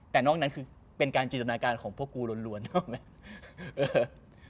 แต่นอกนั้นคือเป็นการจินตนาการของพวกกูล้วนถูกไหม